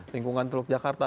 lingkungan teluk jakarta